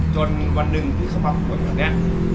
จนวันหนึ่งพี่เขามาผมบอกว่านี้